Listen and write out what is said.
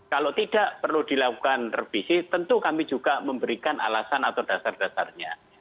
kalau tidak perlu dilakukan revisi tentu kami juga memberikan alasan atau dasar dasarnya